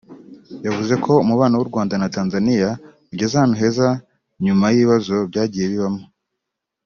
yavuze ko umubano w’u Rwanda na Tanzania ugeze ahantu heza nyuma y’ibibazo byagiye bibamo